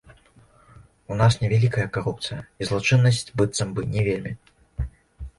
У нас невялікая карупцыя, і злачыннасць быццам бы не вельмі.